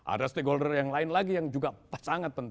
ada stakeholder yang lain lagi yang juga pasangan